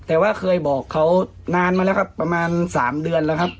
แต่ว่าเคยบอกเขานานมาแล้วครับประมาณ๓เดือนแล้วครับ